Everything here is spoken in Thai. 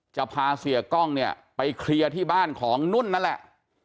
จะพาเสียกล้องเนี่ยไปเคลียร์ที่บ้านของนุ่นนั่นแหละ